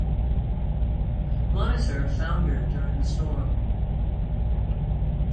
"Monitor" foundered during the storm.